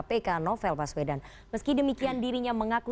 waktu saya sudah tidak pernah ada